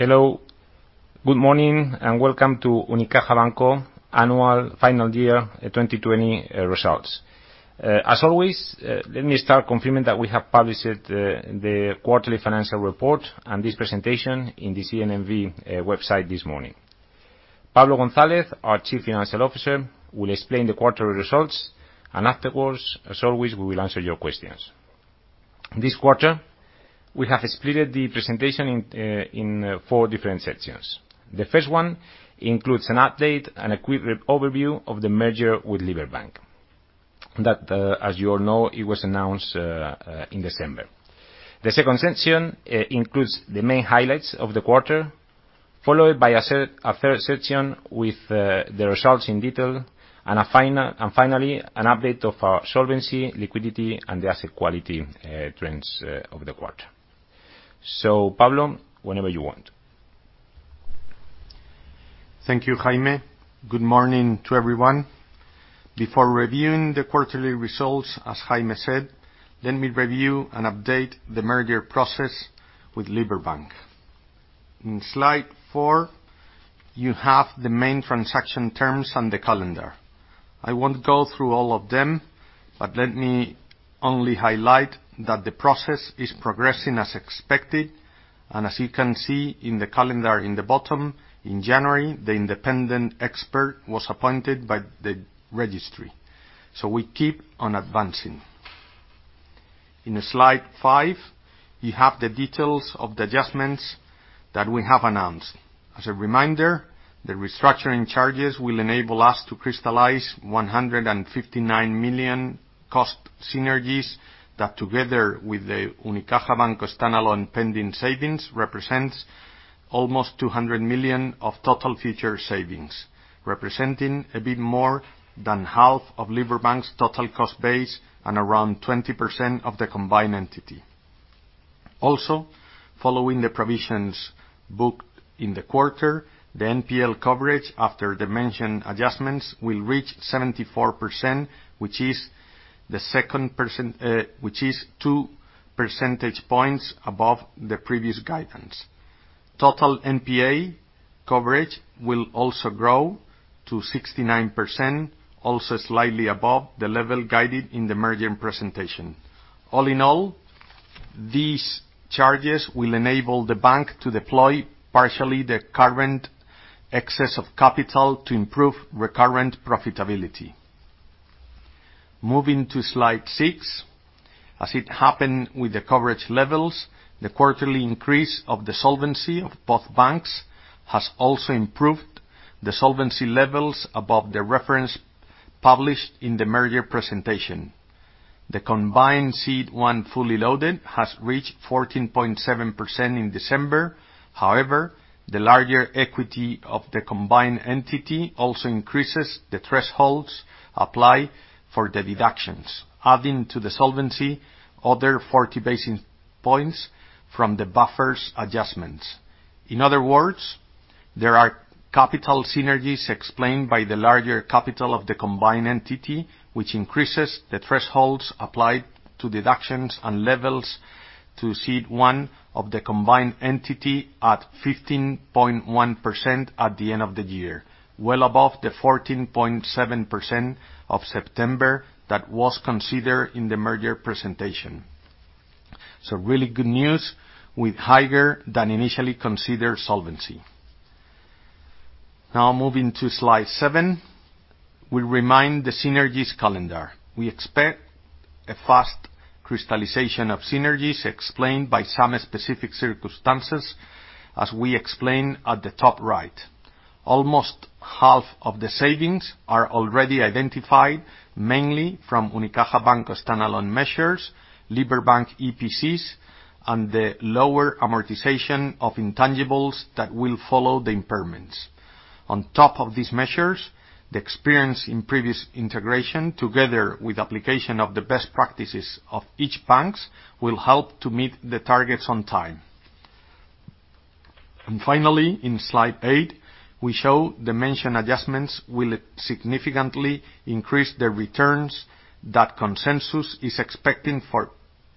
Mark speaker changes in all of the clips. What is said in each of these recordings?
Speaker 1: Hello. Good morning, welcome to Unicaja Banco Annual Final Year 2020 Results. As always, let me start confirming that we have published the quarterly financial report and this presentation in the CNMV website this morning. Pablo González, our Chief Financial Officer, will explain the quarterly results, afterwards, as always, we will answer your questions. This quarter, we have split the presentation in four different sections. The first one includes an update and a quick overview of the merger with Liberbank, that as you all know, it was announced in December. The second section includes the main highlights of the quarter, followed by a third section with the results in detail, finally, an update of our solvency, liquidity, and the asset quality trends of the quarter. Pablo, whenever you want.
Speaker 2: Thank you, Jaime. Good morning to everyone. Before reviewing the quarterly results, as Jaime said, let me review and update the merger process with Liberbank. In slide four, you have the main transaction terms on the calendar. I won't go through all of them, but let me only highlight that the process is progressing as expected, and as you can see in the calendar in the bottom, in January, the independent expert was appointed by the registry. We keep on advancing. In slide five, you have the details of the adjustments that we have announced. As a reminder, the restructuring charges will enable us to crystallize 159 million cost synergies that, together with the Unicaja Banco standalone pending savings, represents almost 200 million of total future savings, representing a bit more than half of Liberbank's total cost base and around 20% of the combined entity. Following the provisions booked in the quarter, the NPL coverage after the mentioned adjustments will reach 74%, which is two percentage points above the previous guidance. Total NPA coverage will grow to 69%, also slightly above the level guided in the merger presentation. These charges will enable the bank to deploy partially the current excess of capital to improve recurrent profitability. Moving to slide six. As it happened with the coverage levels, the quarterly increase of the solvency of both banks has also improved the solvency levels above the reference published in the merger presentation. The combined CET1 fully loaded has reached 14.7% in December. The larger equity of the combined entity also increases the thresholds apply for the deductions, adding to the solvency other 40 basis points from the buffers adjustments. In other words, there are capital synergies explained by the larger capital of the combined entity, which increases the thresholds applied to deductions and levels to CET1 of the combined entity at 15.1% at the end of the year, well above the 14.7% of September that was considered in the merger presentation. Really good news with higher than initially considered solvency. Moving to slide seven. We remind the synergies calendar. We expect a fast crystallization of synergies explained by some specific circumstances, as we explain at the top right. Almost half of the savings are already identified, mainly from Unicaja Banco standalone measures, Liberbank EREs, and the lower amortization of intangibles that will follow the impairments. On top of these measures, the experience in previous integration, together with application of the best practices of each banks, will help to meet the targets on time. Finally, in slide eight, we show the mentioned adjustments will significantly increase the returns that consensus is expecting for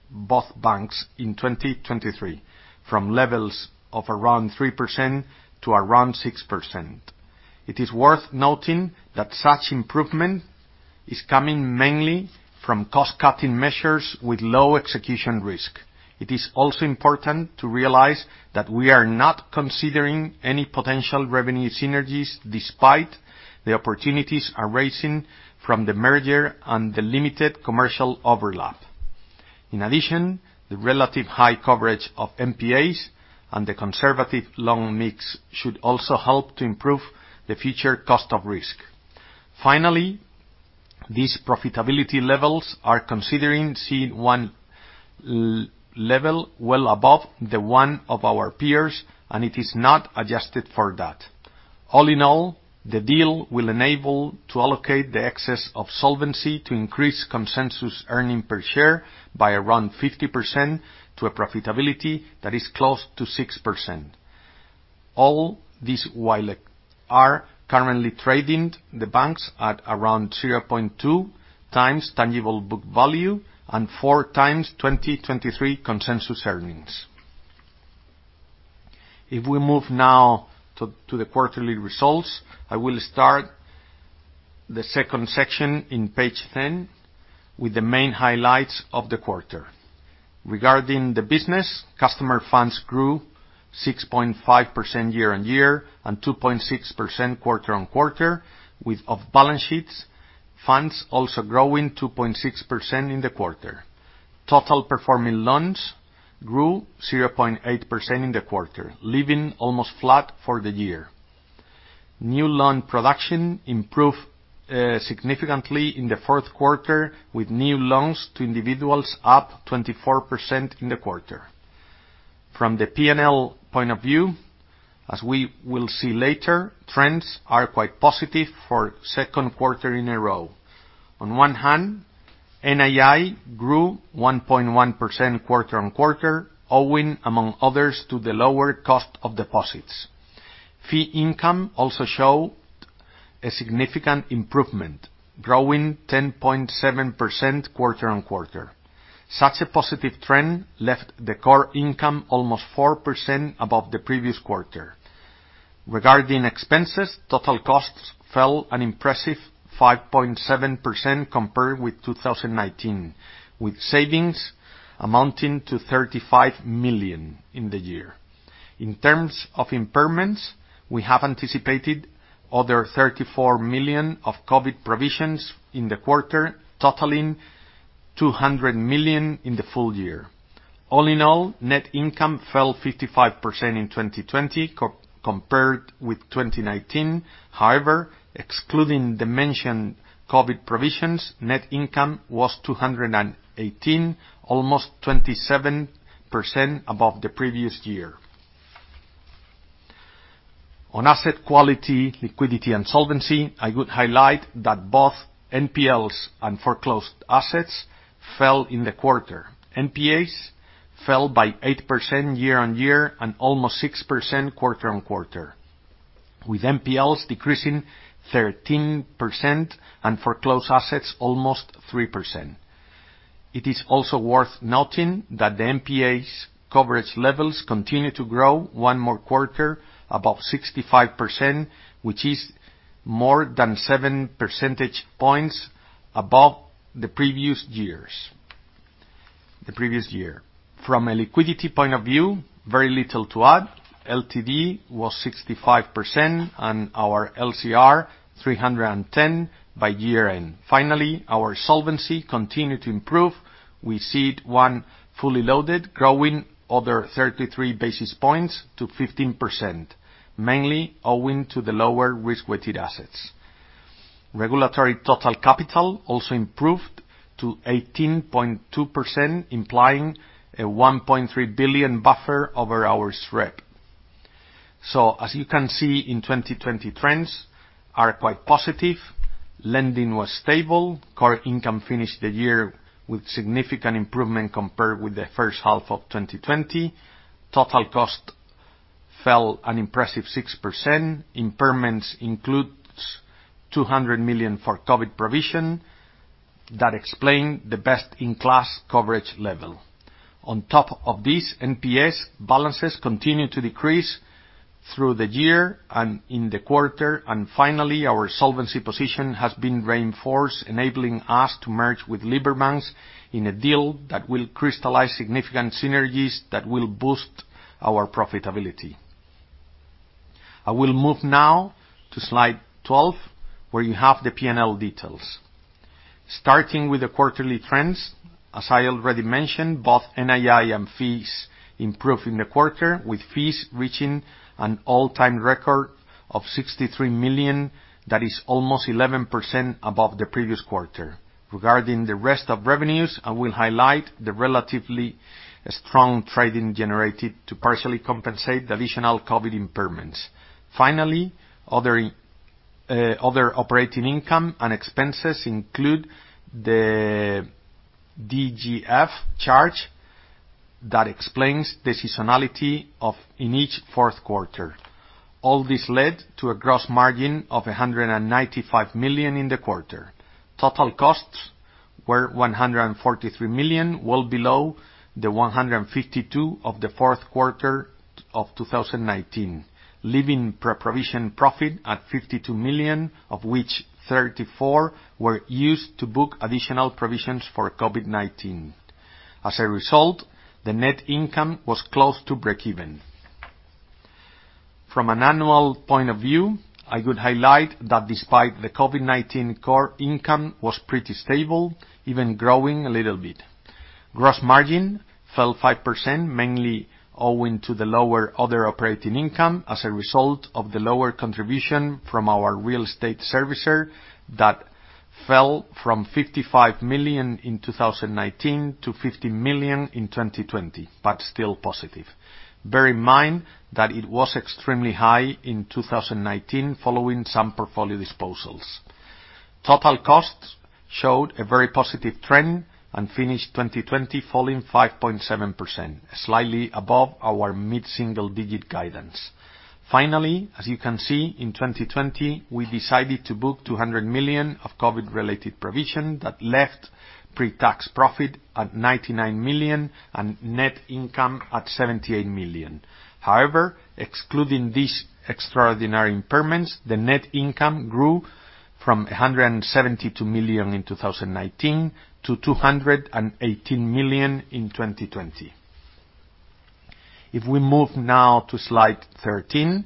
Speaker 2: both banks in 2023, from levels of around 3% to around 6%. It is worth noting that such improvement is coming mainly from cost-cutting measures with low execution risk. It is also important to realize that we are not considering any potential revenue synergies despite the opportunities arising from the merger and the limited commercial overlap. In addition, the relative high coverage of NPAs and the conservative loan mix should also help to improve the future cost of risk. Finally, these profitability levels are considering CET1 level well above the one of our peers, and it is not adjusted for that. All in all, the deal will enable to allocate the excess of solvency to increase consensus earning per share by around 50% to a profitability that is close to 6%. All this while currently trading the banks at around 0.2x tangible book value and 4x 2023 consensus earnings. If we move now to the quarterly results, I will start the second section on page 10 with the main highlights of the quarter. Regarding the business, customer funds grew 6.5% year-on-year and 2.6% quarter-on-quarter, with off-balance sheets funds also growing 2.6% in the quarter. Total performing loans grew 0.8% in the quarter, leaving almost flat for the year. New loan production improved significantly in the fourth quarter, with new loans to individuals up 24% in the quarter. From the P&L point of view, as we will see later, trends are quite positive for the second quarter in a row. On one hand, NII grew 1.1% quarter-on-quarter, owing among others to the lower cost of deposits. Fee income also showed a significant improvement, growing 10.7% quarter-on-quarter. Such a positive trend left the core income almost 4% above the previous quarter. Regarding expenses, total costs fell an impressive 5.7% compared with 2019, with savings amounting to 35 million in the year. In terms of impairments, we have anticipated other 34 million of COVID provisions in the quarter, totaling 200 million in the full year. All in all, net income fell 55% in 2020 compared with 2019. However, excluding the mentioned COVID provisions, net income was 218 million, almost 27% above the previous year. On asset quality, liquidity, and solvency, I would highlight that both NPLs and foreclosed assets fell in the quarter. NPAs fell by 8% year-on-year and almost 6% quarter-on-quarter, with NPLs decreasing 13% and foreclosed assets almost 3%. It is also worth noting that the NPAs' coverage levels continue to grow one more quarter above 65%, which is more than seven percentage points above the previous year. From a liquidity point of view, very little to add. LTD was 65% and our LCR 310 by year-end. Finally, our solvency continued to improve. We see it, when fully loaded, growing other 33 basis points to 15%, mainly owing to the lower risk-weighted assets. Regulatory total capital also improved to 18.2%, implying a 1.3 billion buffer over our SREP. As you can see in 2020, trends are quite positive. Lending was stable. Core income finished the year with significant improvement compared with the first half of 2020. Total cost fell an impressive 6%. Impairments includes 200 million for COVID provision. That explained the best-in-class coverage level. On top of this, NPA balances continued to decrease through the year and in the quarter. Finally, our solvency position has been reinforced, enabling us to merge with Liberbank in a deal that will crystallize significant synergies that will boost our profitability. I will move now to slide 12, where you have the P&L details. Starting with the quarterly trends, as I already mentioned, both NII and fees improved in the quarter, with fees reaching an all-time record of 63 million. That is almost 11% above the previous quarter. Regarding the rest of revenues, I will highlight the relatively strong trading generated to partially compensate the additional COVID impairments. Finally, other operating income and expenses include the DGF charge that explains the seasonality in each fourth quarter. All this led to a gross margin of 195 million in the quarter. Total costs were 143 million, well below the 152 million of the fourth quarter of 2019, leaving pre-provision profit at 52 million, of which 34 million were used to book additional provisions for COVID-19. As a result, the net income was close to breakeven. From an annual point of view, I would highlight that despite the COVID-19, core income was pretty stable, even growing a little bit. Gross margin fell 5%, mainly owing to the lower other operating income as a result of the lower contribution from our real estate servicer that fell from 55 million in 2019 to 15 million in 2020, but still positive. Bear in mind that it was extremely high in 2019 following some portfolio disposals. Total costs showed a very positive trend and finished 2020 falling 5.7%, slightly above our mid-single-digit guidance. Finally, as you can see, in 2020, we decided to book 200 million of COVID-related provision that left pre-tax profit at 99 million and net income at 78 million. However, excluding these extraordinary impairments, the net income grew from 172 million in 2019-EUR 218 million in 2020. If we move now to slide 13,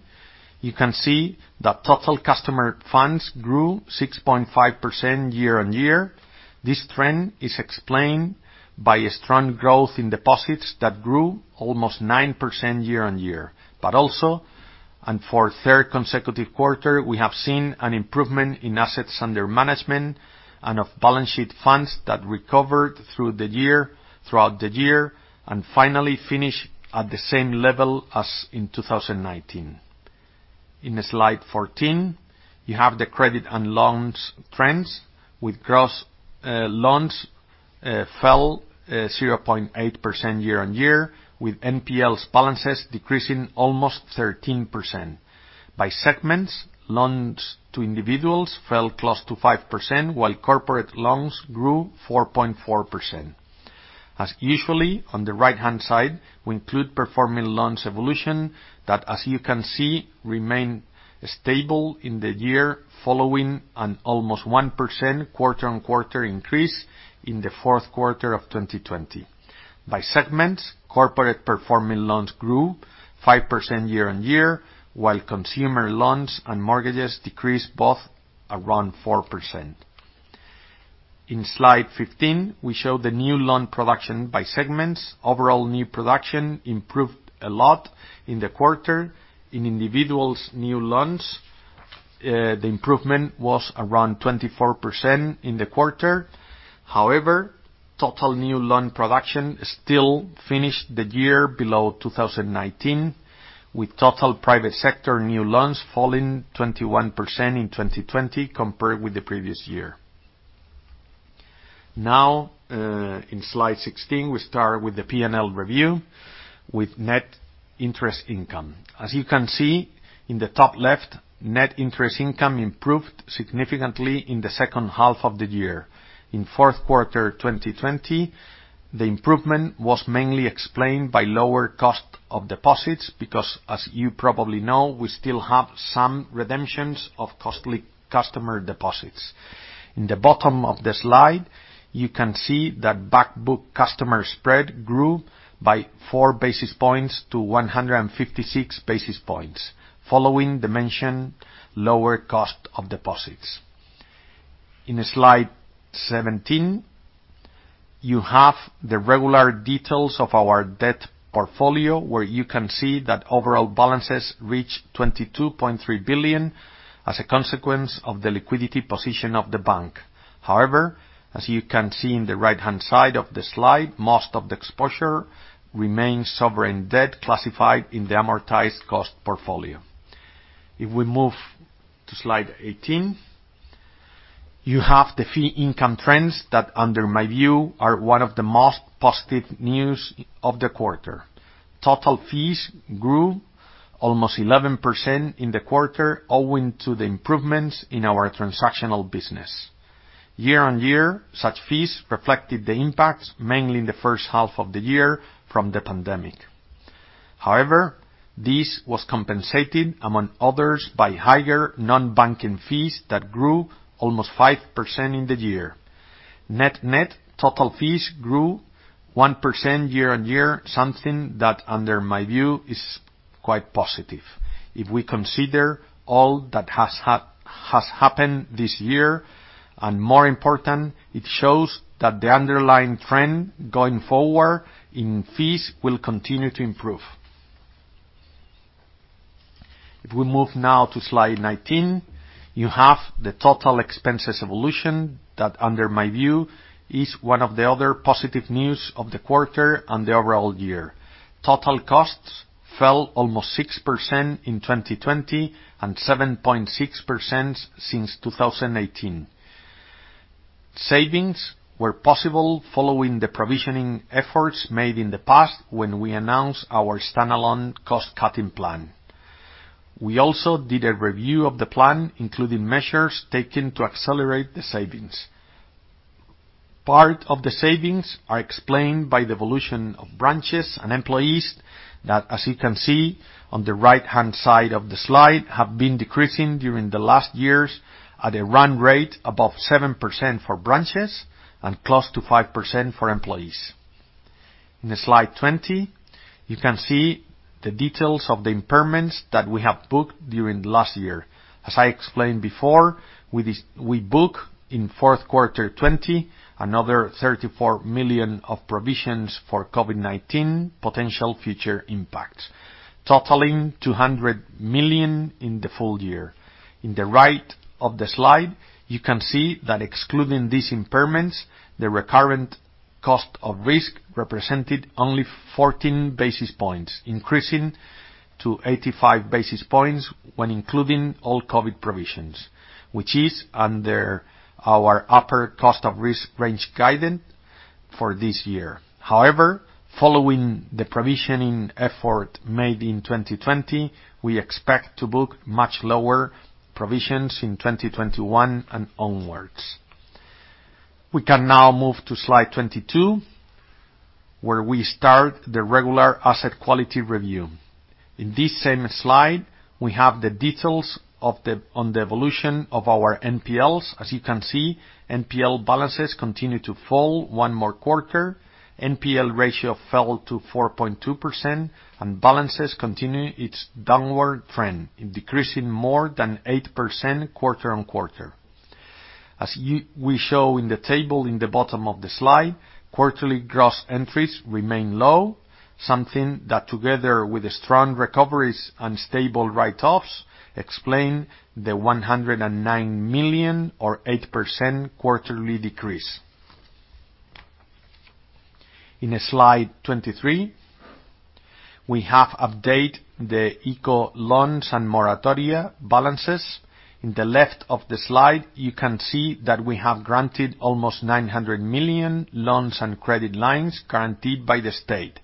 Speaker 2: you can see that total customer funds grew 6.5% year-on-year. This trend is explained by a strong growth in deposits that grew almost 9% year-on-year. Also, and for a third consecutive quarter, we have seen an improvement in assets under management and off-balance sheet funds that recovered throughout the year and finally finished at the same level as in 2019. In slide 14, you have the credit and loans trends with gross loans fell 0.8% year-on-year, with NPLs balances decreasing almost 13%. By segments, loans to individuals fell close to 5%, while corporate loans grew 4.4%. As usually, on the right-hand side, we include performing loans evolution that, as you can see, remain stable in the year following an almost 1% quarter-on-quarter increase in the fourth quarter of 2020. By segments, corporate performing loans grew 5% year-on-year, while consumer loans and mortgages decreased both around 4%. In slide 15, we show the new loan production by segments. Overall new production improved a lot in the quarter. In individuals' new loans, the improvement was around 24% in the quarter. However, total new loan production still finished the year below 2019, with total private sector new loans falling 21% in 2020 compared with the previous year. Now, in slide 16, we start with the P&L review with net interest income. As you can see in the top left, net interest income improved significantly in the second half of the year. In fourth quarter 2020, the improvement was mainly explained by lower cost of deposits, because as you probably know, we still have some redemptions of costly customer deposits. In the bottom of the slide, you can see that back book customer spread grew by four basis points to 156 basis points following the mentioned lower cost of deposits. In slide 17, you have the regular details of our debt portfolio, where you can see that overall balances reached 22.3 billion as a consequence of the liquidity position of the bank. However, as you can see in the right-hand side of the slide, most of the exposure remains sovereign debt classified in the amortized cost portfolio. If we move to slide 18, you have the fee income trends that, under my view, are one of the most positive news of the quarter. Total fees grew almost 11% in the quarter, owing to the improvements in our transactional business. Year-on-year, such fees reflected the impact, mainly in the first half of the year, from the COVID-19. However, this was compensated, among others, by higher non-banking fees that grew almost 5% in the year. Net, total fees grew 1% year-on-year, something that under my view is quite positive. If we consider all that has happened this year, more important, it shows that the underlying trend going forward in fees will continue to improve. If we move now to slide 19, you have the total expenses evolution that, under my view, is one of the other positive news of the quarter and the overall year. Total costs fell almost 6% in 2020 and 7.6% since 2018. Savings were possible following the provisioning efforts made in the past when we announced our standalone cost-cutting plan. We also did a review of the plan, including measures taken to accelerate the savings. Part of the savings are explained by the evolution of branches and employees that, as you can see on the right-hand side of the slide, have been decreasing during the last years at a run rate above 7% for branches and close to 5% for employees. In slide 20, you can see the details of the impairments that we have booked during last year. As I explained before, we book in fourth quarter 2020 another 34 million of provisions for COVID-19 potential future impacts, totaling 200 million in the full year. In the right of the slide, you can see that excluding these impairments, the recurrent cost of risk represented only 14 basis points, increasing to 85 basis points when including all COVID provisions, which is under our upper cost of risk range guidance for this year. However, following the provisioning effort made in 2020, we expect to book much lower provisions in 2021 and onwards. We can now move to slide 22, where we start the regular asset quality review. In this same slide, we have the details on the evolution of our NPLs. As you can see, NPL balances continue to fall one more quarter. NPL ratio fell to 4.2%. Balances continue its downward trend, decreasing more than 8% quarter-on-quarter. As we show in the table in the bottom of the slide, quarterly gross entries remain low, something that, together with strong recoveries and stable write-offs, explain the 109 million or 8% quarterly decrease. In slide 23, we have updated the ICO loans and moratoria balances. In the left of the slide, you can see that we have granted almost 900 million loans and credit lines guaranteed by the state.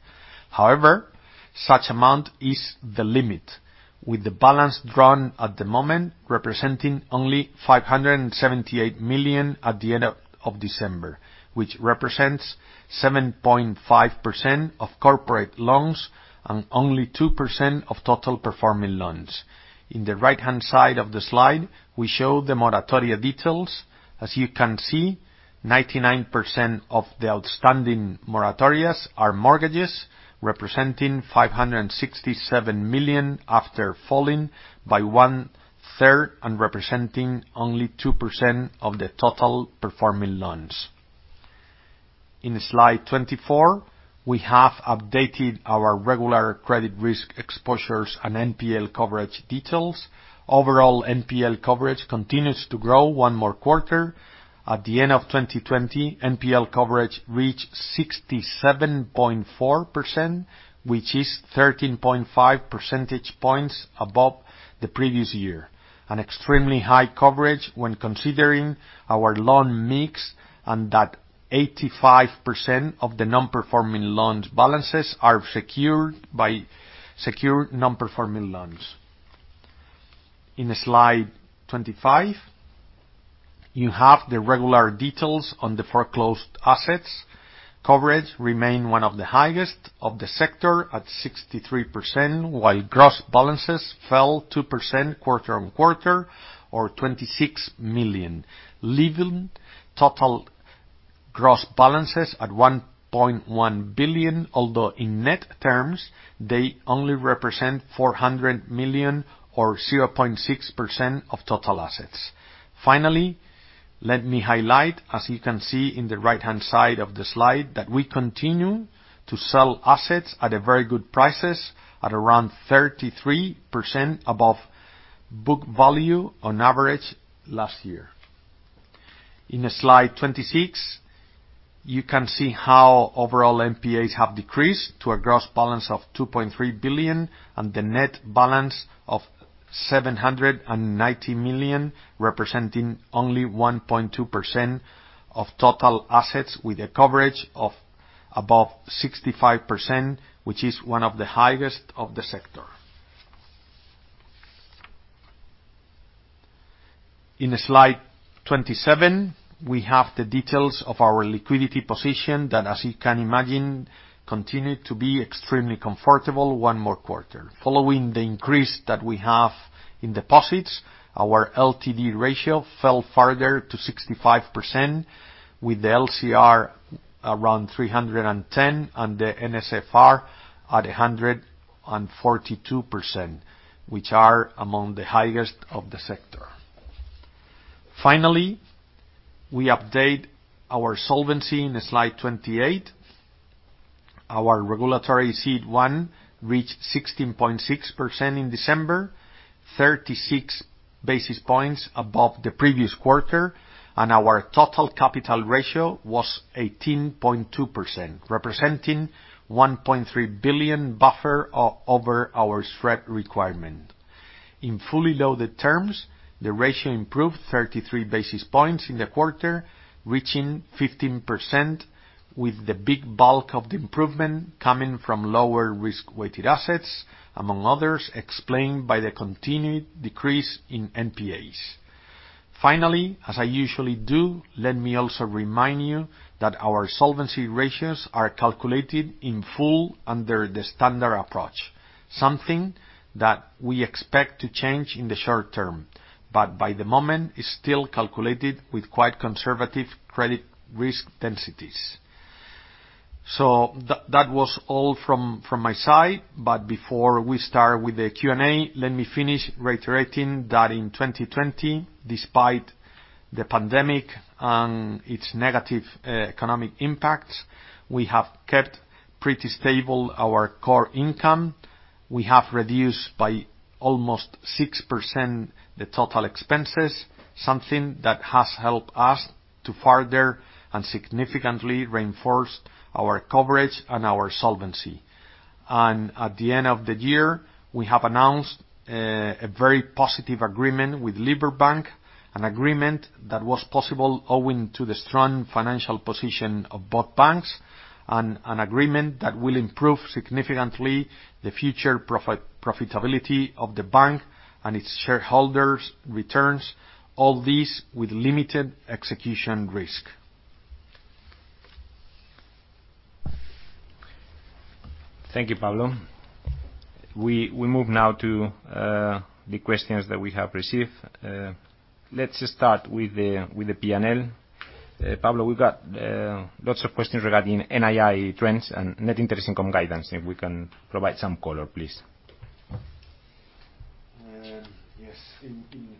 Speaker 2: However, such amount is the limit, with the balance drawn at the moment representing only 578 million at the end of December, which represents 7.5% of corporate loans and only 2% of total performing loans. In the right-hand side of the slide, we show the moratoria details. As you can see, 99% of the outstanding moratorias are mortgages, representing 567 million after falling by one-third and representing only 2% of the total performing loans. In slide 24, we have updated our regular credit risk exposures and NPL coverage details. Overall NPL coverage continues to grow one more quarter. At the end of 2020, NPL coverage reached 67.4%, which is 13.5 percentage points above the previous year. An extremely high coverage when considering our loan mix and that 85% of the non-performing loans balances are secured by secured non-performing loans. In slide 25, you have the regular details on the foreclosed assets. Coverage remained one of the highest of the sector at 63%, while gross balances fell 2% quarter-on-quarter or 26 million, leaving total gross balances at 1.1 billion, although in net terms, they only represent 400 million or 0.6% of total assets. Finally, let me highlight, as you can see in the right-hand side of the slide, that we continue to sell assets at a very good prices at around 33% above book value on average last year. In slide 26, you can see how overall NPAs have decreased to a gross balance of 2.3 billion and the net balance of 790 million, representing only 1.2% of total assets with a coverage of above 65%, which is one of the highest of the sector. In slide 27, we have the details of our liquidity position that, as you can imagine, continued to be extremely comfortable one more quarter. Following the increase that we have in deposits, our LTD ratio fell further to 65%, with the LCR around 310% and the NSFR at 142%, which are among the highest of the sector. Finally, we update our solvency in slide 28. Our regulatory CET1 reached 16.6% in December, 36 basis points above the previous quarter, and our total capital ratio was 18.2%, representing 1.3 billion buffer over our SREP requirement. In fully loaded terms, the ratio improved 33 basis points in the quarter, reaching 15%, with the big bulk of the improvement coming from lower risk-weighted assets, among others, explained by the continued decrease in NPAs. Finally, as I usually do, let me also remind you that our solvency ratios are calculated in full under the standard approach. Something that we expect to change in the short term, but by the moment is still calculated with quite conservative credit risk densities. That was all from my side. Before we start with the Q&A, let me finish reiterating that in 2020, despite the pandemic and its negative economic impact, we have kept pretty stable our core income. We have reduced by almost 6% the total expenses, something that has helped us to further and significantly reinforce our coverage and our solvency. At the end of the year, we have announced a very positive agreement with Liberbank, an agreement that was possible owing to the strong financial position of both banks, and an agreement that will improve significantly the future profitability of the bank and its shareholders' returns, all these with limited execution risk.
Speaker 1: Thank you, Pablo. We move now to the questions that we have received. Let's just start with the P&L. Pablo, we've got lots of questions regarding NII trends and net interest income guidance, if we can provide some color, please.
Speaker 2: Yes.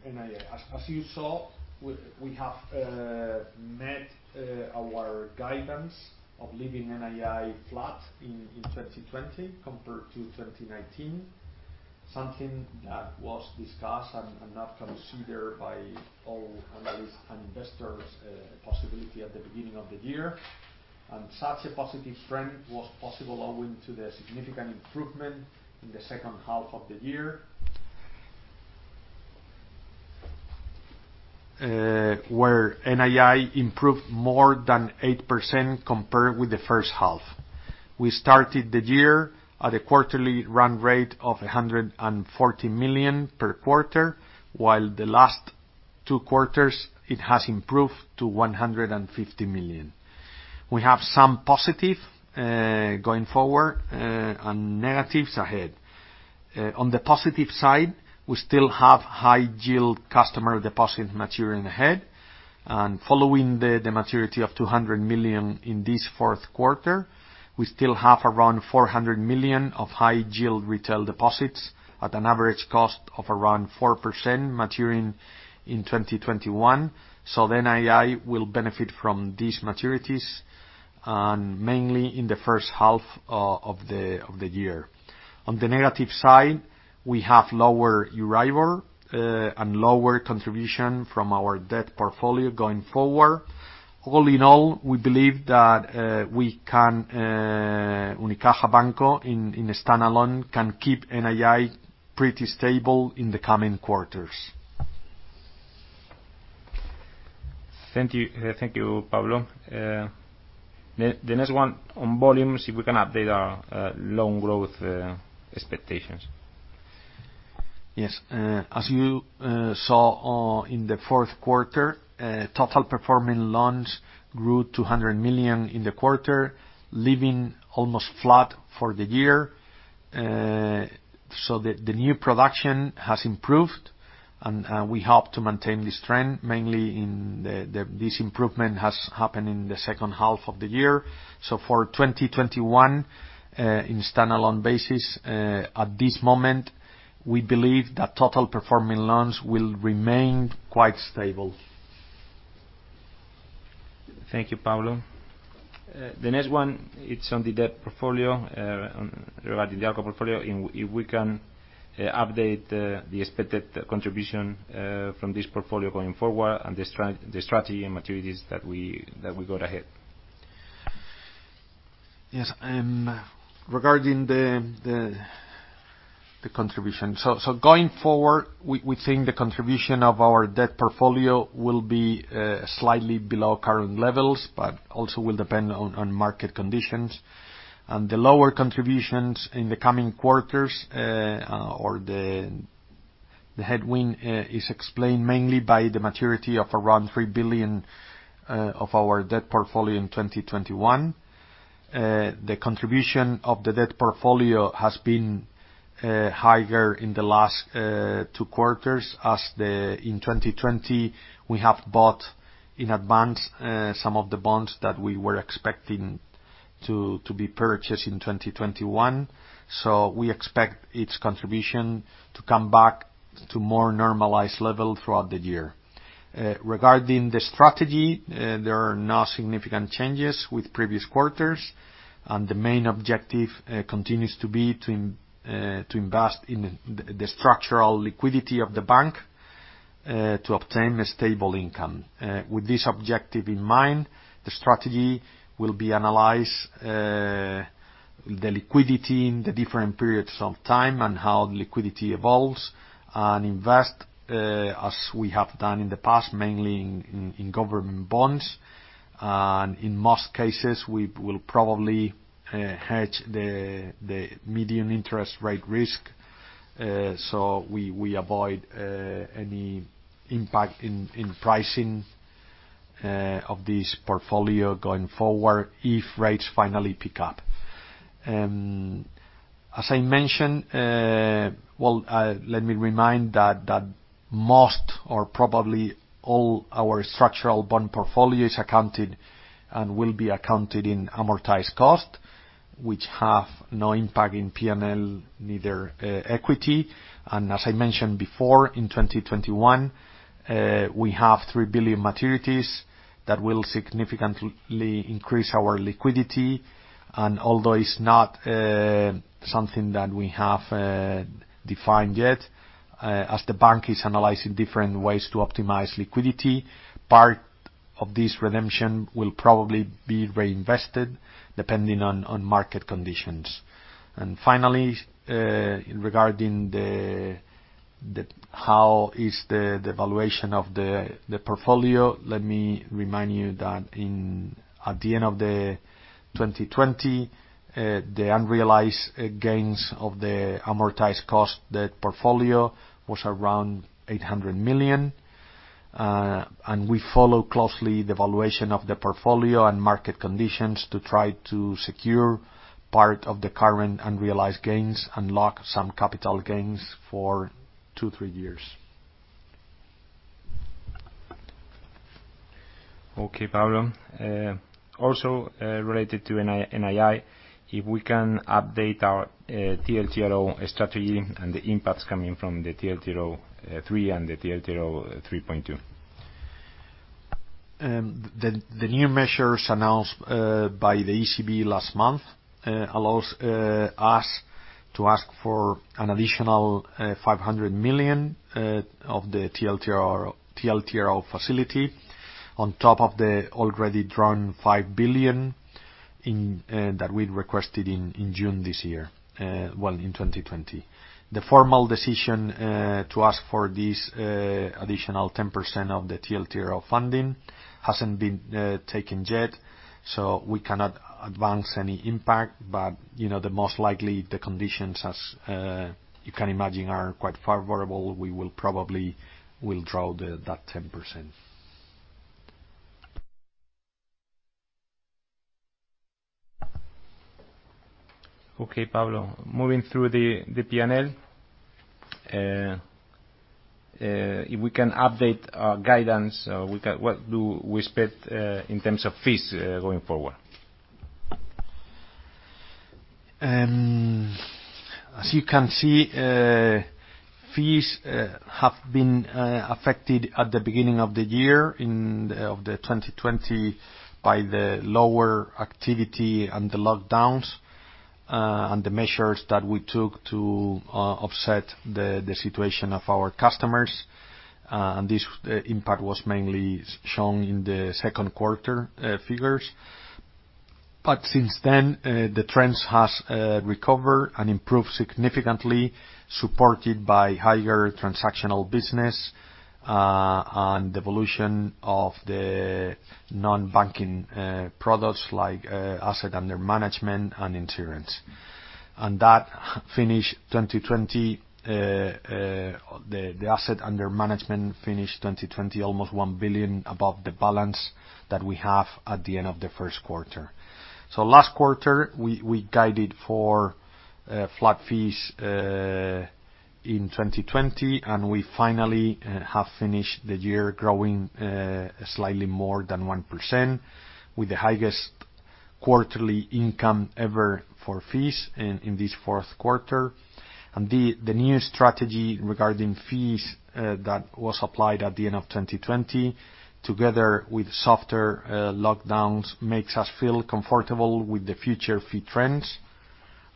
Speaker 2: In NII, as you saw, we have met our guidance of leaving NII flat in 2020 compared to 2019, something that was discussed and not considered by all analysts and investors a possibility at the beginning of the year. Such a positive trend was possible owing to the significant improvement in the second half of the year, where NII improved more than 8% compared with the first half. We started the year at a quarterly run rate of 140 million per quarter, while the last two quarters, it has improved to 150 million. We have some positive going forward, and negatives ahead. On the positive side, we still have high yield customer deposit maturing ahead. Following the maturity of 200 million in this fourth quarter, we still have around 400 million of high yield retail deposits at an average cost of around 4% maturing in 2021. The NII will benefit from these maturities, and mainly in the first half of the year. On the negative side, we have lower EURIBOR, and lower contribution from our debt portfolio going forward. All in all, we believe that Unicaja Banco, in standalone, can keep NII pretty stable in the coming quarters.
Speaker 1: Thank you, Pablo. The next one, on volumes, if we can update our loan growth expectations.
Speaker 2: Yes. As you saw in the fourth quarter, total performing loans grew 200 million in the quarter, leaving almost flat for the year. The new production has improved, and we hope to maintain this trend. This improvement has happened in the second half of the year. For 2021, in standalone basis, at this moment, we believe that total performing loans will remain quite stable.
Speaker 1: Thank you, Pablo. The next one, it's on the debt portfolio, regarding the ALCO portfolio, if we can update the expected contribution from this portfolio going forward and the strategy and maturities that we got ahead.
Speaker 2: Yes. Regarding the contribution. Going forward, we think the contribution of our debt portfolio will be slightly below current levels, but also will depend on market conditions. The lower contributions in the coming quarters, or the headwind, is explained mainly by the maturity of around 3 billion of our debt portfolio in 2021. The contribution of the debt portfolio has been higher in the last two quarters, as in 2020, we have bought in advance some of the bonds that we were expecting to be purchased in 2021. We expect its contribution to come back to more normalized level throughout the year. Regarding the strategy, there are no significant changes with previous quarters. The main objective continues to be to invest in the structural liquidity of the bank to obtain a stable income. With this objective in mind, the strategy will be analyze the liquidity in the different periods of time and how liquidity evolves and invest, as we have done in the past, mainly in government bonds. In most cases, we will probably hedge the medium interest rate risk, so we avoid any impact in pricing of this portfolio going forward if rates finally pick up. As I mentioned, well, let me remind that most or probably all our structural bond portfolio is accounted and will be accounted in amortized cost, which have no impact in P&L, neither equity. As I mentioned before, in 2021, we have 3 billion maturities that will significantly increase our liquidity. Although it's not something that we have defined yet, as the bank is analyzing different ways to optimize liquidity, part of this redemption will probably be reinvested depending on market conditions. Finally, regarding how is the valuation of the portfolio, let me remind you that at the end of 2020, the unrealized gains of the amortized cost debt portfolio was around 800 million. We follow closely the valuation of the portfolio and market conditions to try to secure part of the current unrealized gains, unlock some capital gains for two, three years.
Speaker 1: Okay, Pablo. Also related to NII, if we can update our TLTRO strategy and the impacts coming from the TLTRO3 and the TLTRO III.2.
Speaker 2: The new measures announced by the ECB last month allows us to ask for an additional 500 million of the TLTRO facility on top of the already drawn 5 billion that we requested in June this year, well, in 2020. The formal decision to ask for this additional 10% of the TLTRO funding hasn't been taken yet. We cannot advance any impact. The most likely, the conditions, as you can imagine, are quite favorable. We probably will draw that 10%.
Speaker 1: Okay, Pablo. Moving through the P&L. If we can update our guidance, what do we expect in terms of fees going forward?
Speaker 2: As you can see, fees have been affected at the beginning of the year of 2020 by the lower activity and the lockdowns, and the measures that we took to offset the situation of our customers. This impact was mainly shown in the second quarter figures. Since then, the trends has recovered and improved significantly, supported by higher transactional business and evolution of the non-banking products like asset under management and insurance. The asset under management finished 2020 almost 1 billion above the balance that we have at the end of the first quarter. Last quarter, we guided for flat fees in 2020, and we finally have finished the year growing slightly more than 1%, with the highest quarterly income ever for fees in this fourth quarter. The new strategy regarding fees that was applied at the end of 2020, together with softer lockdowns, makes us feel comfortable with the future fee trends.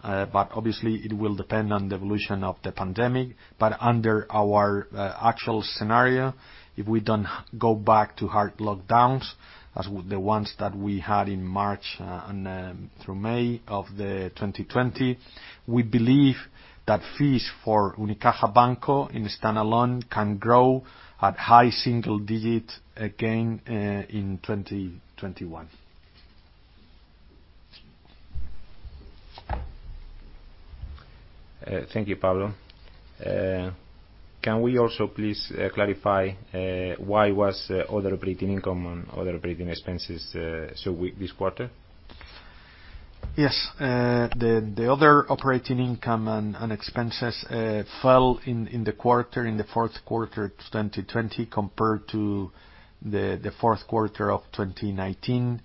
Speaker 2: Obviously, it will depend on the evolution of the pandemic. Under our actual scenario, if we don't go back to hard lockdowns as the ones that we had in March and through May of 2020, we believe that fees for Unicaja Banco in standalone can grow at high single digits again in 2021.
Speaker 1: Thank you, Pablo. Can we also please clarify why was other operating income and other operating expenses so weak this quarter?
Speaker 2: Yes. The other operating income and expenses fell in the fourth quarter 2020 compared to the fourth quarter of 2019,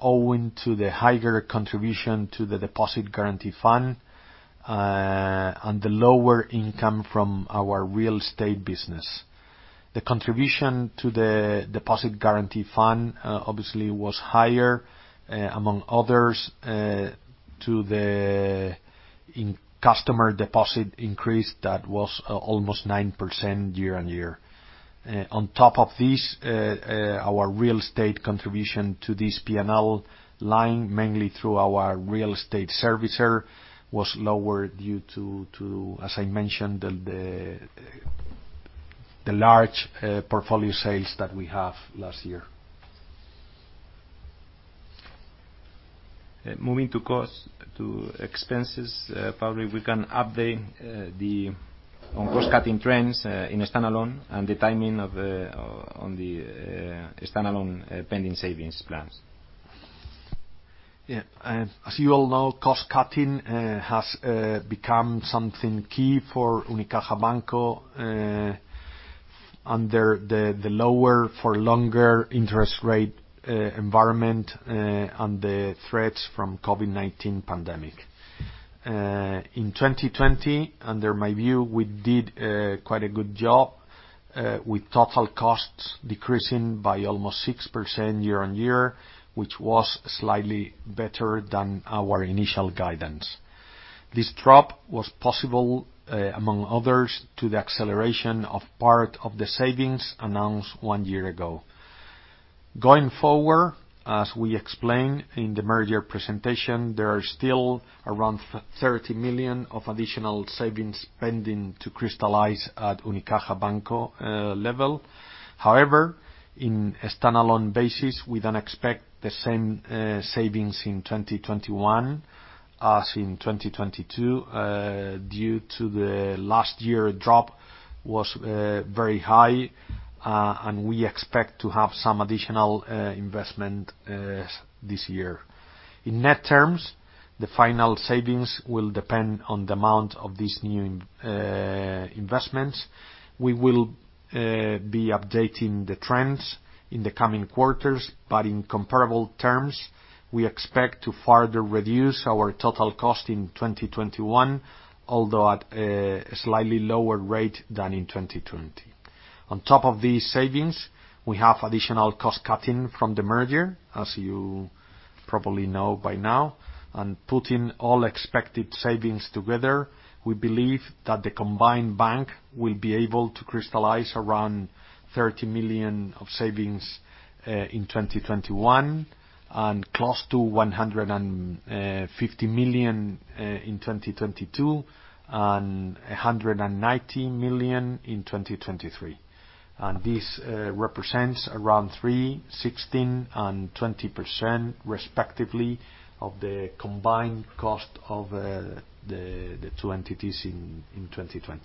Speaker 2: owing to the higher contribution to the Deposit Guarantee Fund and the lower income from our real estate business. The contribution to the Deposit Guarantee Fund obviously was higher, among others, to the customer deposit increase that was almost 9% year-on-year. On top of this, our real estate contribution to this P&L line, mainly through our real estate servicer, was lower due to, as I mentioned, the large portfolio sales that we have last year.
Speaker 1: Moving to expenses, Pablo, we can update on cost-cutting trends in standalone and the timing on the standalone pending savings plans.
Speaker 2: As you all know, cost-cutting has become something key for Unicaja Banco under the lower for longer interest rate environment, and the threats from COVID-19 pandemic. In 2020, under my view, we did quite a good job, with total costs decreasing by almost 6% year-on-year, which was slightly better than our initial guidance. This drop was possible, among others, to the acceleration of part of the savings announced one year ago. Going forward, as we explained in the merger presentation, there are still around 30 million of additional savings pending to crystallize at Unicaja Banco level. In a standalone basis, we don't expect the same savings in 2021 as in 2022, due to the last year drop was very high, and we expect to have some additional investment this year. In net terms, the final savings will depend on the amount of these new investments. We will be updating the trends in the coming quarters, but in comparable terms, we expect to further reduce our total cost in 2021, although at a slightly lower rate than in 2020. On top of these savings, we have additional cost-cutting from the merger, as you probably know by now. Putting all expected savings together, we believe that the combined bank will be able to crystallize around 30 million of savings in 2021, and close to 150 million in 2022, and 190 million in 2023. This represents around three, 16, and 20%, respectively, of the combined cost of the two entities in 2020,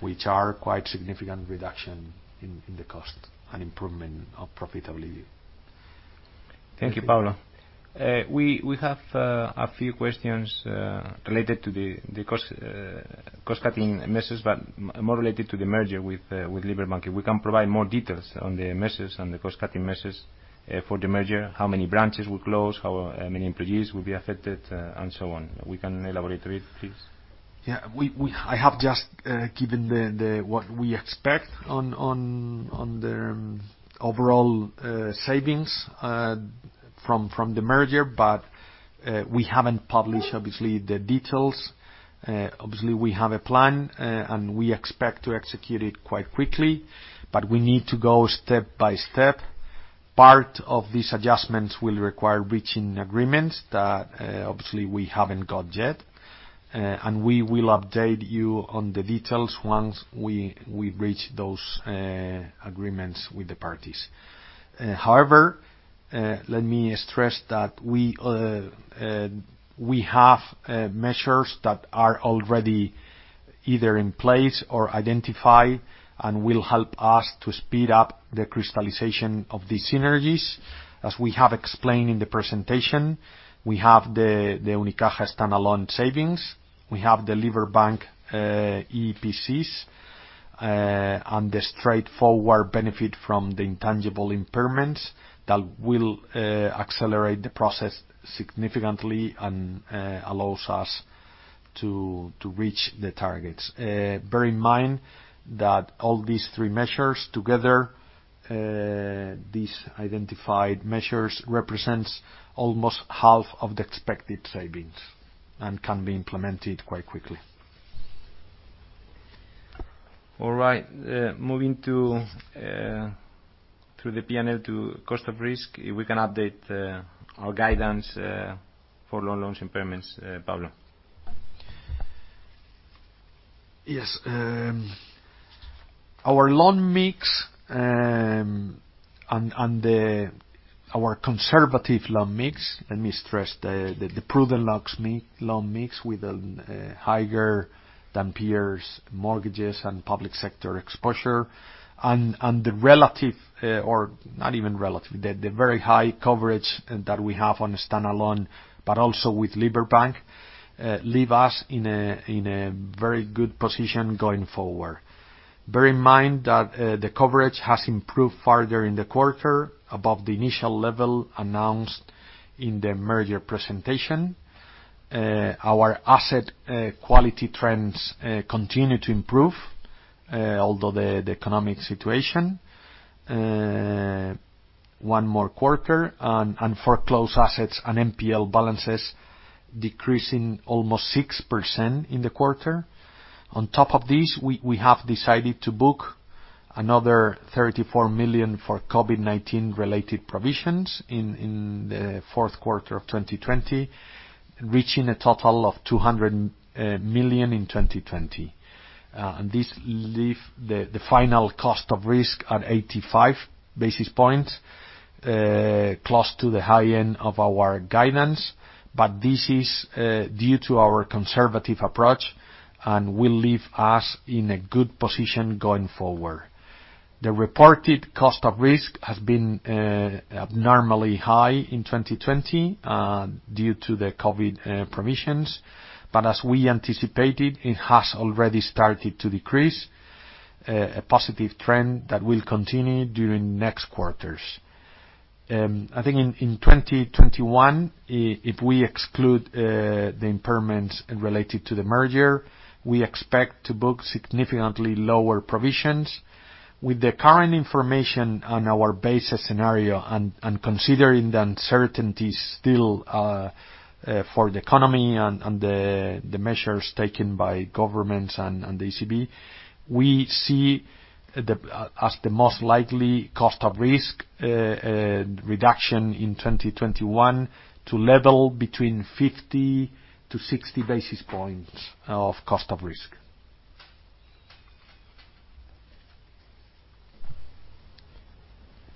Speaker 2: which are quite significant reduction in the cost and improvement of profitability.
Speaker 1: Thank you, Pablo. We have a few questions related to the cost-cutting measures, but more related to the merger with Liberbank. We can provide more details on the measures and the cost-cutting measures for the merger, how many branches will close, how many employees will be affected, and so on. We can elaborate a bit, please.
Speaker 2: Yeah. I have just given what we expect on the overall savings from the merger, but we haven't published, obviously, the details. Obviously, we have a plan, and we expect to execute it quite quickly, but we need to go step by step. Part of these adjustments will require reaching agreements that obviously we haven't got yet. We will update you on the details once we reach those agreements with the parties. However, let me stress that we have measures that are already either in place or identified and will help us to speed up the crystallization of these synergies. As we have explained in the presentation, we have the Unicaja standalone savings. We have the Liberbank EREs, and the straightforward benefit from the intangible impairments that will accelerate the process significantly and allows us to reach the targets. Bear in mind that all these three measures together, these identified measures, represents almost half of the expected savings and can be implemented quite quickly.
Speaker 1: All right. Moving through the P&L to cost of risk. We can update our guidance for loan loss impairments, Pablo.
Speaker 2: Yes. Our loan mix and our conservative loan mix, let me stress the prudent loan mix with higher-than-peers mortgages and public sector exposure, and the relative, or not even relative, the very high coverage that we have on a standalone, but also with Liberbank, leave us in a very good position going forward. Bear in mind that the coverage has improved further in the quarter above the initial level announced in the merger presentation. Our asset quality trends continue to improve. Although the economic situation, one more quarter, and foreclose assets and NPL balances decreasing almost 6% in the quarter. On top of this, we have decided to book another 34 million for COVID-19-related provisions in the fourth quarter of 2020, reaching a total of 200 million in 2020. This leave the final cost of risk at 85 basis points, close to the high end of our guidance, but this is due to our conservative approach and will leave us in a good position going forward. The reported cost of risk has been abnormally high in 2020 due to the COVID-19 provisions. As we anticipated, it has already started to decrease, a positive trend that will continue during next quarters. I think in 2021, if we exclude the impairments related to the merger, we expect to book significantly lower provisions. With the current information on our basis scenario and considering the uncertainties still for the economy and the measures taken by governments and the ECB, we see as the most likely cost of risk reduction in 2021 to level between 50-60 basis points of cost of risk.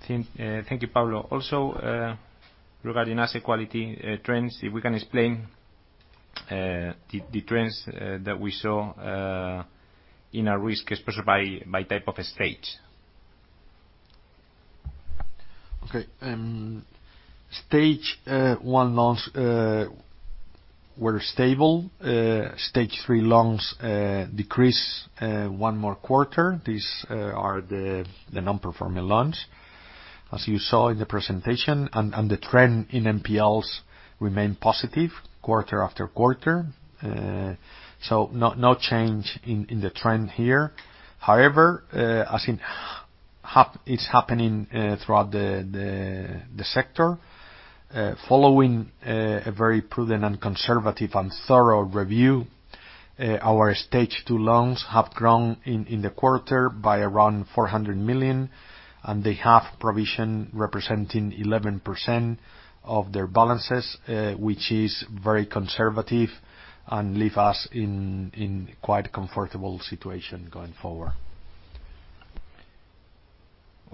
Speaker 1: Thank you, Pablo. Also, regarding asset quality trends, if we can explain the trends that we saw in our risk exposure by type of stage.
Speaker 2: Okay. Stage 1 loans were stable. Stage 3 loans decreased one more quarter. These are the non-performing loans, as you saw in the presentation. The trend in NPLs remain positive quarter after quarter. No change in the trend here. However, as it's happening throughout the sector, following a very prudent and conservative and thorough review, our Stage 2 loans have grown in the quarter by around 400 million, and they have provision representing 11% of their balances, which is very conservative and leave us in quite a comfortable situation going forward.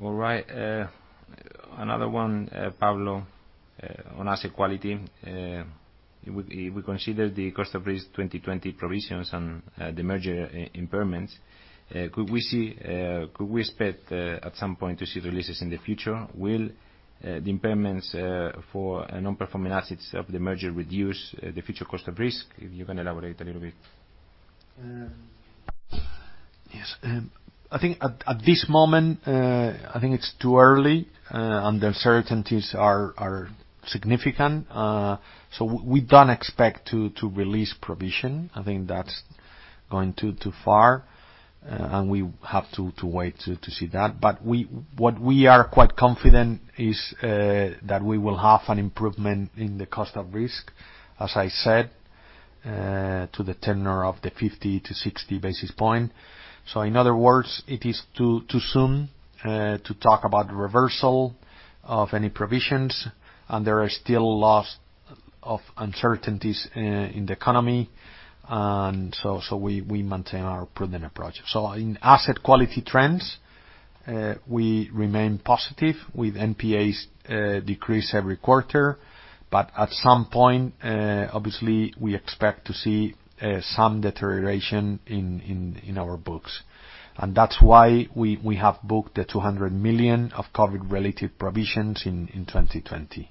Speaker 1: All right. Another one, Pablo, on asset quality. If we consider the cost of risk 2020 provisions and the merger impairments, could we expect at some point to see releases in the future? Will the impairments for non-performing assets of the merger reduce the future cost of risk? If you can elaborate a little bit.
Speaker 2: Yes. I think at this moment, I think it's too early, and the uncertainties are significant. We don't expect to release provision. I think that's going too far, and we have to wait to see that. What we are quite confident is that we will have an improvement in the cost of risk, as I said, to the tune of the 50-60 basis point. In other words, it is too soon to talk about reversal of any provisions, and there are still lots of uncertainties in the economy. We maintain our prudent approach. In asset quality trends, we remain positive with NPAs decrease every quarter. At some point, obviously, we expect to see some deterioration in our books. That's why we have booked the 200 million of COVID-related provisions in 2020.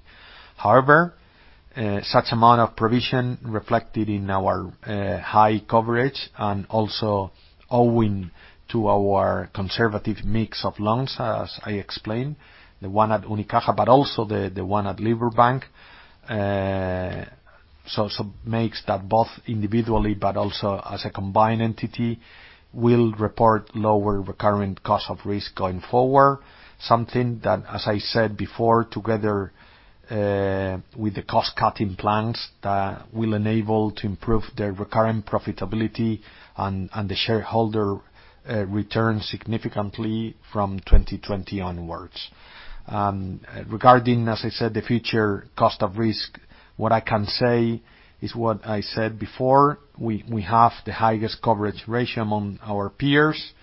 Speaker 2: Such amount of provision reflected in our high coverage and also owing to our conservative mix of loans, as I explained, the one at Unicaja, but also the one at Liberbank. Makes that both individually but also as a combined entity, will report lower recurring cost of risk going forward. Something that, as I said before, together with the cost-cutting plans that will enable to improve the recurring profitability and the shareholder return significantly from 2020 onwards. Regarding, as I said, the future cost of risk, what I can say is what I said before. We have the highest coverage ratio among our peers,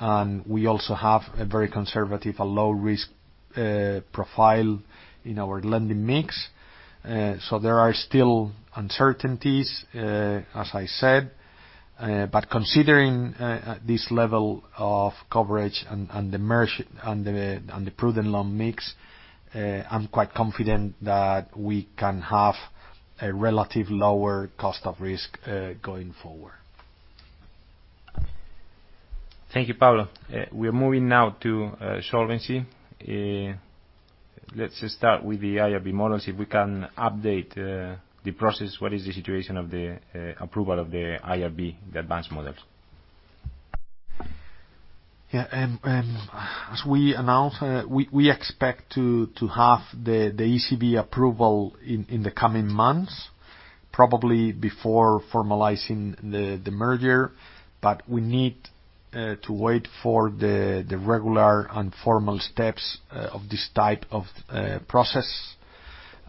Speaker 2: and we also have a very conservative, a low risk profile in our lending mix. There are still uncertainties, as I said. Considering this level of coverage and the merger and the prudent loan mix, I'm quite confident that we can have a relative lower cost of risk, going forward.
Speaker 1: Thank you, Pablo. We are moving now to solvency. Let's start with the IRB models, if we can update the process. What is the situation of the approval of the IRB, the advanced models?
Speaker 2: Yeah. As we announced, we expect to have the ECB approval in the coming months, probably before formalizing the merger. We need to wait for the regular and formal steps of this type of process,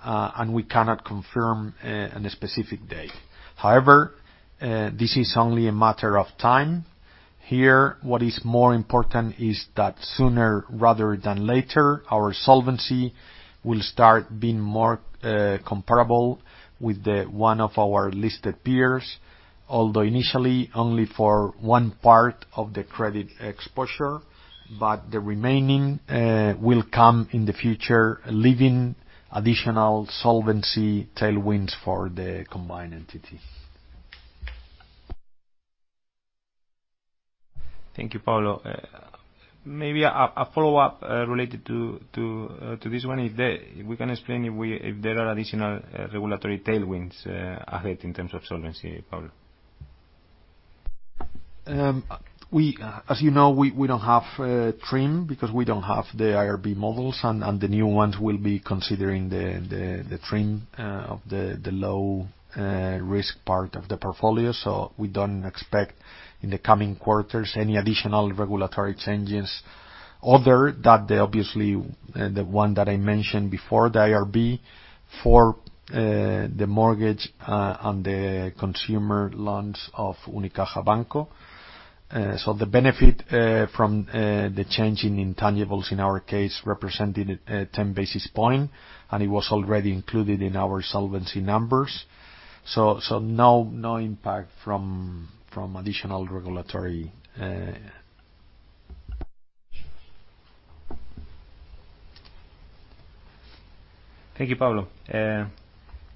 Speaker 2: and we cannot confirm any specific date. However, this is only a matter of time. Here, what is more important is that sooner rather than later, our solvency will start being more comparable with one of our listed peers. Although initially, only for one part of the credit exposure, but the remaining will come in the future, leaving additional solvency tailwinds for the combined entity.
Speaker 1: Thank you, Pablo. Maybe a follow-up related to this one. If we can explain if there are additional regulatory tailwinds ahead in terms of solvency, Pablo?
Speaker 2: As you know, we don't have TRIM because we don't have the IRB models, and the new ones will be considering the TRIM of the low risk part of the portfolio. We don't expect, in the coming quarters, any additional regulatory changes other than obviously the one that I mentioned before, the IRB for the mortgage and the consumer loans of Unicaja Banco. The benefit from the change in intangibles in our case represented 10 basis points, and it was already included in our solvency numbers. No impact from additional regulatory changes.
Speaker 1: Thank you, Pablo.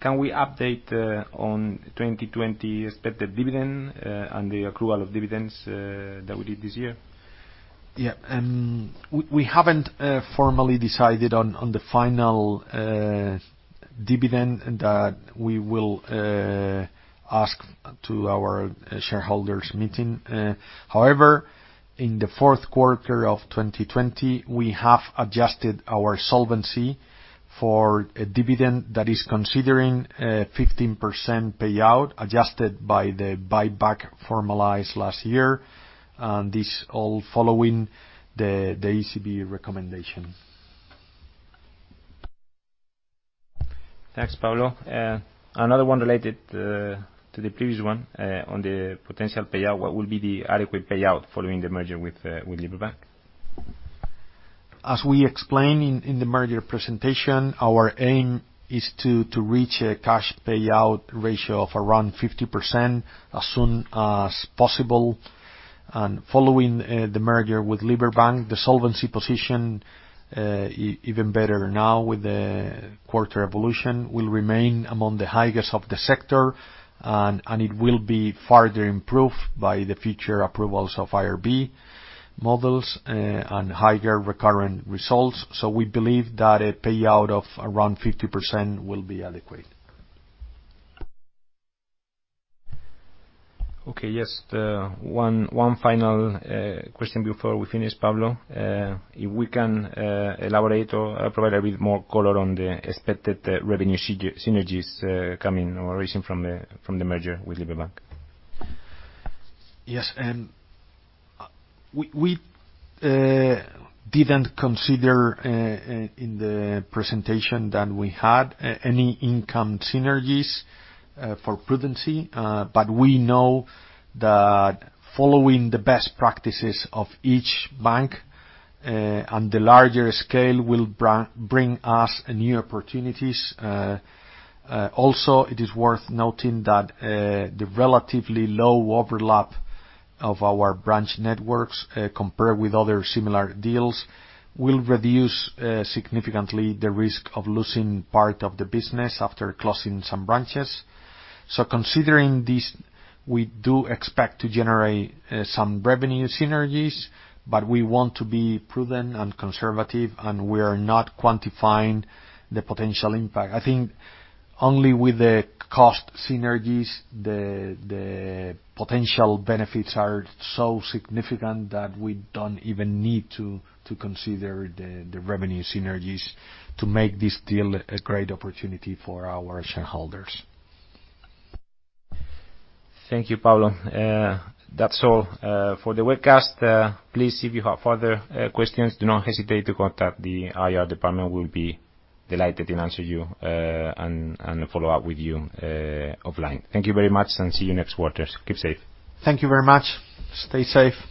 Speaker 1: Can we update on 2020 expected dividend and the accrual of dividends that we did this year?
Speaker 2: Yeah. We haven't formally decided on the final dividend that we will ask to our shareholders meeting. In the fourth quarter of 2020, we have adjusted our solvency for a dividend that is considering a 15% payout, adjusted by the buyback formalized last year, and this all following the ECB recommendation.
Speaker 1: Thanks, Pablo. Another one related to the previous one, on the potential payout. What will be the adequate payout following the merger with Liberbank?
Speaker 2: As we explained in the merger presentation, our aim is to reach a cash payout ratio of around 50% as soon as possible. Following the merger with Liberbank, the solvency position, even better now with the quarter evolution, will remain among the highest of the sector, and it will be further improved by the future approvals of IRB models and higher recurring results. We believe that a payout of around 50% will be adequate.
Speaker 1: Okay. Just one final question before we finish, Pablo. If we can elaborate or provide a bit more color on the expected revenue synergies coming or arising from the merger with Liberbank?
Speaker 2: Yes. We didn't consider, in the presentation that we had, any income synergies for prudency. We know that following the best practices of each bank and the larger scale will bring us new opportunities. Also, it is worth noting that the relatively low overlap of our branch networks, compared with other similar deals, will reduce significantly the risk of losing part of the business after closing some branches. Considering this, we do expect to generate some revenue synergies, but we want to be prudent and conservative, and we are not quantifying the potential impact. I think only with the cost synergies, the potential benefits are so significant that we don't even need to consider the revenue synergies to make this deal a great opportunity for our shareholders.
Speaker 1: Thank you, Pablo. That's all for the webcast. Please, if you have further questions, do not hesitate to contact the IR department. We'll be delighted to answer you, and follow up with you offline. Thank you very much and see you next quarters. Keep safe.
Speaker 2: Thank you very much. Stay safe.